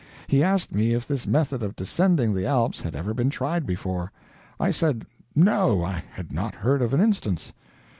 He asked me if this method of descending the Alps had ever been tried before. I said no, I had not heard of an instance.